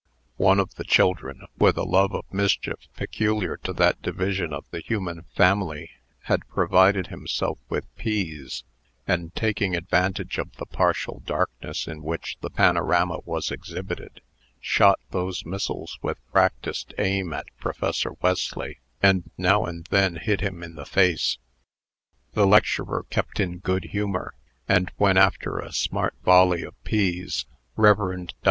One of the children, with the love of mischief peculiar to that division of the human family, had provided himself with peas, and, taking advantage of the partial darkness in which the panorama was exhibited, shot those missiles with practised aim at Professor Wesley, and now and then hit him in the face. The lecturer kept in good humor; and when, after a smart volley of peas, Rev. Dr.